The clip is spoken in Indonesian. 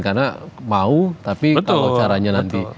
karena mau tapi kalau caranya nanti